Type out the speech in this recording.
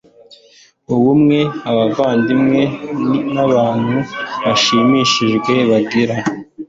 ubumwe abavandimwe n abantu bashimishijwe bagira